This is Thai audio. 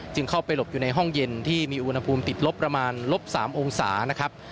เข้าไปหลบอยู่ในห้องเย็นที่มีอุณหภูมิติดลบประมาณลบ๓องศานะครับ